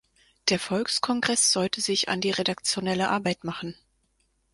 Der Volkskongreß sollte sich an die redaktionelle Arbeit machen.